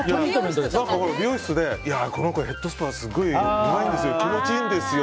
美容室で、この子ヘッドスパがすごいうまいんですよ